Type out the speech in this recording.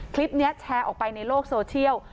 คลิปนี้แชร์ออกไปในโลกโซเชียล